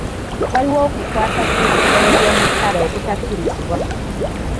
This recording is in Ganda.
Waliwo okukwata kw'ebisolo by'omu ttale okutakkirizibwa.